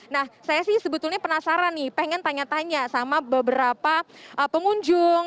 nah saya sih sebetulnya penasaran nih pengen tanya tanya sama beberapa pengunjung